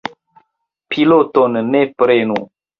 Piloton ne prenu.